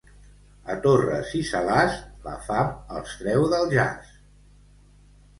A Torres i Salàs, la fam els treu del jaç.